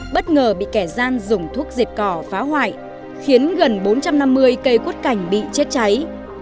bất ngờ bị kẻ gian dùng thuốc diệt cỏ phá hoại khiến gần bốn trăm năm mươi cây quất cảnh bị chết cháy